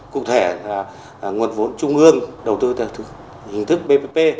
cụ thể nguồn vốn trung ương đầu tư theo hình thức bpp